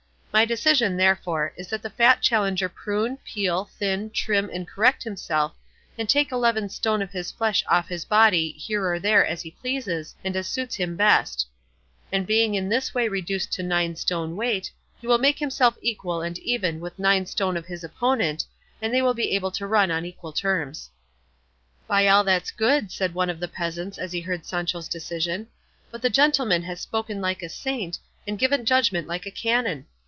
My decision, therefore, is that the fat challenger prune, peel, thin, trim and correct himself, and take eleven stone of his flesh off his body, here or there, as he pleases, and as suits him best; and being in this way reduced to nine stone weight, he will make himself equal and even with nine stone of his opponent, and they will be able to run on equal terms." "By all that's good," said one of the peasants as he heard Sancho's decision, "but the gentleman has spoken like a saint, and given judgment like a canon!